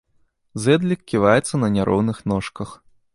Зэдлік ківаецца на няроўных ножках.